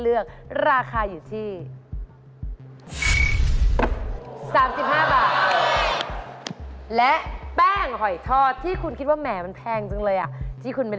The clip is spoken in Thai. เอาล่ะนะเอาล่ะนะ